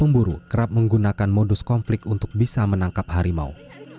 pemburu kerap menggunakan modus konflik untuk bisa menangkap harimau